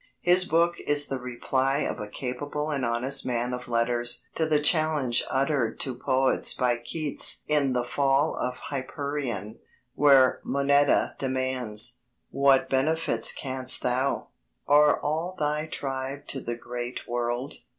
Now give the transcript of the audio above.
His book is the reply of a capable and honest man of letters to the challenge uttered to poets by Keats in The Fall of Hyperion, where Moneta demands: What benfits canst thou, or all thy tribe To the great world?